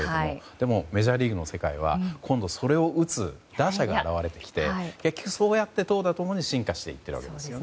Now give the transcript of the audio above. でも、メジャーリーグの世界は今度、それを打つ打者が現れてきて結局、そうやって投打ともに進化していってるわけですよね。